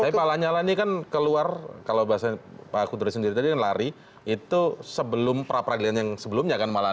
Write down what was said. tapi pak lanyala ini kan keluar kalau bahasa pak kudri sendiri tadi kan lari itu sebelum pra peradilan yang sebelumnya kan malah